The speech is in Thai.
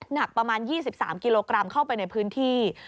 หนักประมาณ๒๓กิโลกรัมเข้าไปในพื้นที่